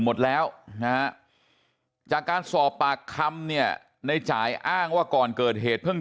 หมดแล้วนะจากการสอบปากคำเนี่ยในจ่ายอ้างว่าก่อนเกิดเหตุเพิ่ง